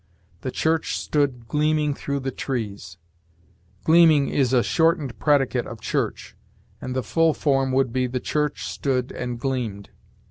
'The church stood gleaming through the trees': 'gleaming' is a shortened predicate of 'church'; and the full form would be, 'the church stood and gleamed.'